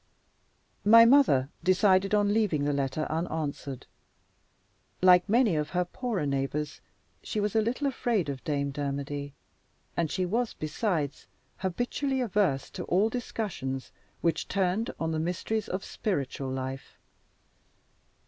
My mother decided on leaving the letter unanswered. Like many of her poorer neighbors, she was a little afraid of Dame Dermody; and she was, besides, habitually averse to all discussions which turned on the mysteries of spiritual life.